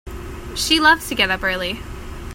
She loves to get up early.